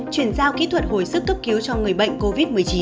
chuyển giao kỹ thuật hồi sức cấp cứu cho người bệnh covid một mươi chín